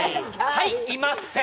はい、いません！